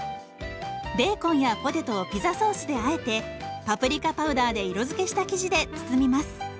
ベーコンやポテトをピザソースであえてパプリカパウダーで色づけした生地で包みます。